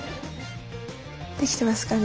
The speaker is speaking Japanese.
できてますかね？